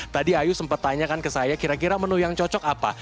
tadi ayu sempat tanyakan ke saya kira kira menu yang cocok apa